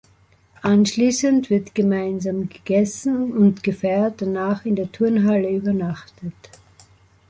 Anschließend wird gemeinsam gegessen und gefeiert, danach in der Turnhalle übernachtet.